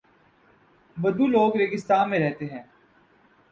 بدو لوگ ریگستان میں رہتے ہیں۔